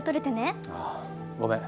ああごめん。